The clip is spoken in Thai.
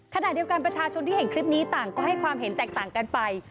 ขณะเดียวกันประชาชนที่เห็นคลิปนี้ต่างก็ให้ความเห็นแตกต่างกันไป